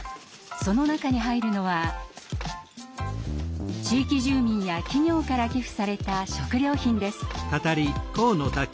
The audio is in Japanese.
その中に入るのは地域住民や企業から寄付された食料品です。